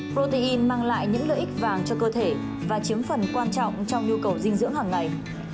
protein mang lại những lợi ích vàng cho cơ thể và chiếm phần quan trọng trong nhu cầu dinh dưỡng hàng ngày